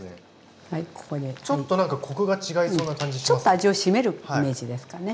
ちょっと味を締めるイメージですかね。